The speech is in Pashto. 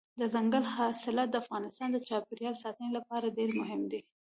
دځنګل حاصلات د افغانستان د چاپیریال ساتنې لپاره ډېر مهم دي.